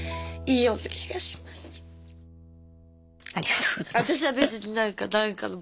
ありがとうございます。